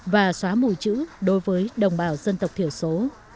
và xóa mùi chữ đối với đồng bào dân tộc thiểu số